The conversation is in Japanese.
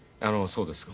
そうです。